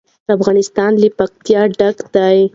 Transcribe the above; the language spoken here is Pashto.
افغانستان له پکتیا ډک دی.